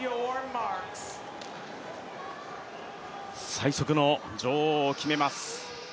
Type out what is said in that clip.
最速の女王を決めます。